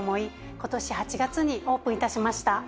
今年８月にオープンいたしました。